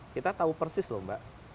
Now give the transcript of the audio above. kita tahu persis lho mbak